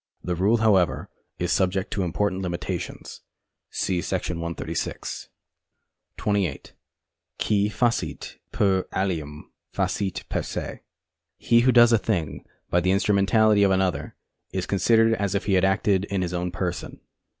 The rule, however, is subject to important limitations. See § 136. 28. Qui facit per alium, facit per se. Co. Litt. 258a. He who does a thing by the instrumentality of another is considered as if he had acted in his own person.